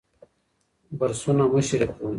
برسونه مه شریکوئ.